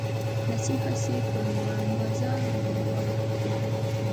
نسیم هسي په مزه و الوتلی.